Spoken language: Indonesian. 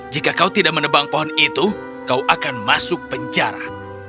jika kau tidak menebang pohon itu kau akan masuk penjara